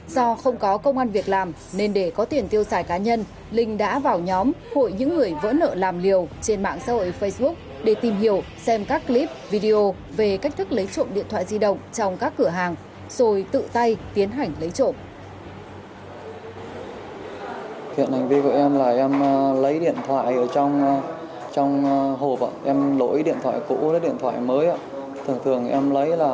do không có công an việc làm nên để có tiền tiêu xài cá nhân linh đã vào nhóm hội những người vẫn nợ làm liều trên mạng xã hội facebook để tìm hiểu xem các clip video về cách thức lấy trộm điện thoại di động trong các cửa hàng rồi tự tay tiến hành lấy trộm